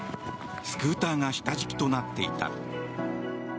スクーターが下敷きとなっていた。